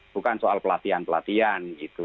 bukan soal pelatihan pelatihan gitu